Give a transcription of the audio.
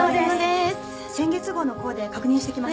先月号のコーデ確認してきます。